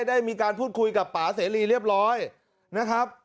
ได้มีการพูดคุยกับป่าเสรีเรียบร้อยนะครับ